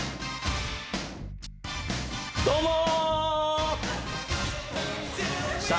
どうも！